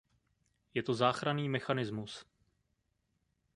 Je to záchranný mechanismus.